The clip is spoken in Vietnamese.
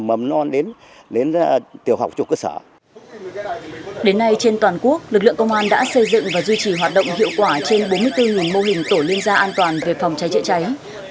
đến nay trên toàn quốc lực lượng công an đã xây dựng và duy trì hoạt động hiệu quả trên bốn mươi bốn mô hình tổ liên gia an toàn về phòng cháy chữa cháy